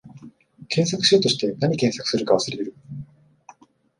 検索しようとして、なに検索するか忘れる